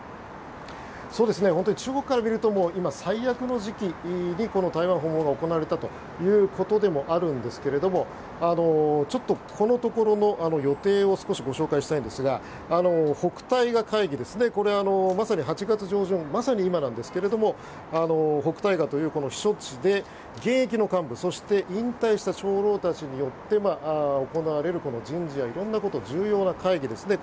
本当に中国から見ると今、最悪の時期に台湾訪問が行われたということでもあるんですがちょっとこのところの予定を少しご紹介したいんですが北戴河会議、これまさに８月上旬まさに今なんですが北戴河という避暑地で現役の幹部そして引退した長老たちによって行われるこの人事や色んなこと重要な会議ですね。